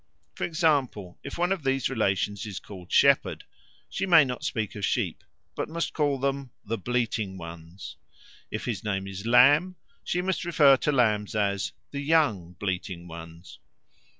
For example, if one of these relations is called Shepherd, she may not speak of sheep, but must call them "the bleating ones"; if his name is Lamb, she must refer to lambs as "the young bleating ones."